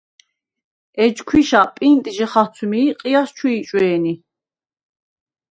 ეჯ ქვიშა პინტჟი ხაცვმი ი ყიჲას ჩუ იჭვე̄ნი.